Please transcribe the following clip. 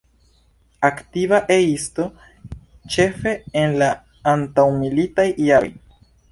Aktiva E-isto ĉefe en la antaŭmilitaj jaroj.